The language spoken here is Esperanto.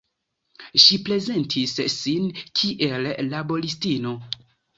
Ŝi prezentis sin kiel laboristino.